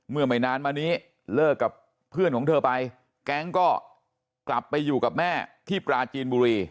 ไม่นานมานี้เลิกกับเพื่อนของเธอไปแก๊งก็กลับไปอยู่กับแม่ที่ปราจีนบุรี